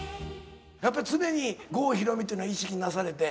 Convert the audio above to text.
やっぱ常に郷ひろみってのは意識なされて？